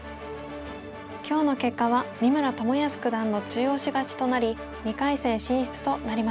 今日の結果は三村智保九段の中押し勝ちとなり２回戦進出となりました。